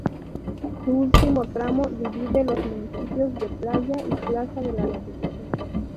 Su último tramo divide los municipios de Playa y Plaza de la Revolución.